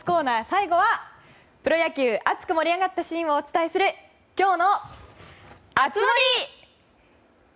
最後はプロ野球熱く盛り上がったシーンをお伝えする今日の熱盛！